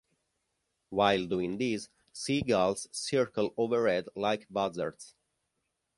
While doing this, seagulls circle overhead like buzzards.